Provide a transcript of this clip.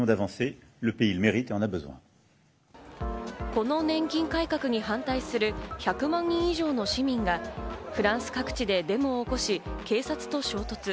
この年金改革に反対する１００万人以上の市民がフランス各地でデモを起こし、警察と衝突。